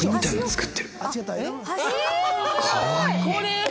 これ。